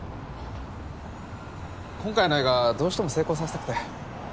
今回の映画どうしても成功させたくて。